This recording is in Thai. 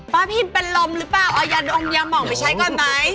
ป้าพิมเป็นลมหรือเปล่าเอายันโอมโยมออกไปใช้ก่อนมั้ย